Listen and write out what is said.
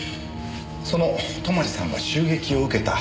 その泊さんが襲撃を受けた。